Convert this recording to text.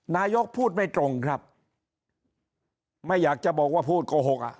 นายกพูดไม่ตรงครับไม่อยากจะบอกว่าพูดโกหกอ่ะ